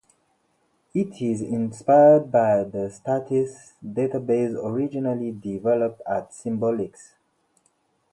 It is inspired by the Statice database originally developed at Symbolics.